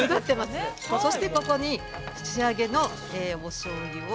そしてここに、仕上げのおしょうゆを。